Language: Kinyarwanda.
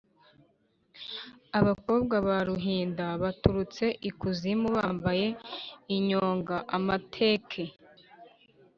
Abakobwa ba Ruhinda baturutse ikuzimu bambaye inyonga.-Amateke.